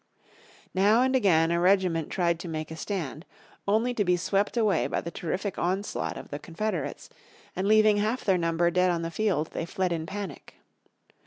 Now and again a regiment tried to make a stand, only to be swept away by the terrific onslaught of the Confederates, and leaving half their number dead on the field they fled in panic.